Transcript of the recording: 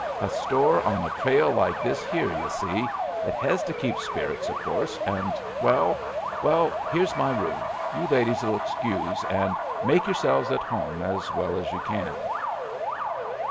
A store on a trail like this here, ye see, it hez to keep spirits, of course; and well, well! here's my room; you ladies'll excuse, and make yourselves at home as well as you can."